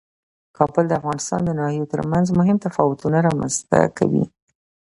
کابل د افغانستان د ناحیو ترمنځ مهم تفاوتونه رامنځ ته کوي.